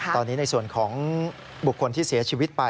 ตอนนี้ในส่วนของบุคคลที่เสียชีวิตไป